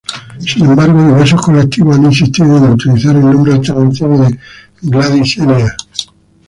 Sin embargo diversos colectivos han insistido en utilizar el nombre alternativo de "Gladys Enea".